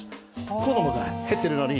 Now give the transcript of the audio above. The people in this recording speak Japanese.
子どもが減ってるのに。